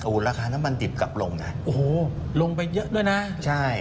ราคาน้ำมันดิบกลับลงนะโอ้โหลงไปเยอะด้วยนะใช่